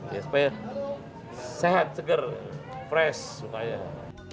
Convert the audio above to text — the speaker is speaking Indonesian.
supaya sehat segar fresh